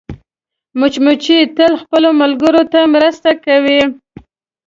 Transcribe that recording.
مچمچۍ تل خپلو ملګرو ته مرسته کوي